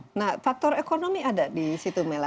nah faktor ekonomi ada di situ mela